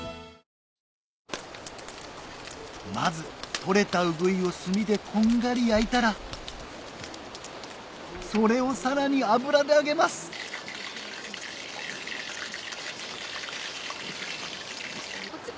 とれたウグイを墨でこんがり焼いたらそれをさらに油で揚げますこっち。